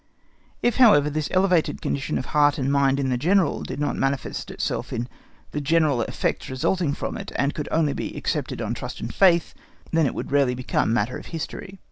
If, however, this elevated condition of heart and mind in the General did not manifest itself in the general effects resulting from it, and could only be accepted on trust and faith, then it would rarely become matter of history.